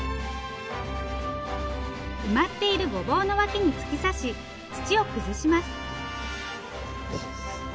埋まっているごぼうの脇に突き刺し土を崩します。